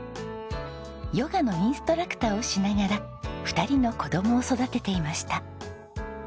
ヨガのインストラクターをしながら２人の子供を育てていました。